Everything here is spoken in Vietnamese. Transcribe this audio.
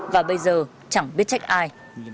và bây giờ chẳng biết trách ai